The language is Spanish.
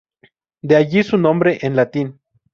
De allí su nombre en latín.